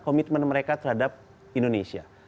komitmen mereka terhadap indonesia